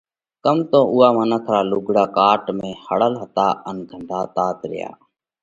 ڪم تو اُوئا منک را لُوگھڙا ڪاٽ ۾ ۿڙل هتا ان گھنڌاتات ريا۔